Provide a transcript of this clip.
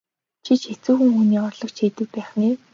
Чи ч хэцүүхэн хүний орлогч хийдэг байх нь ээ?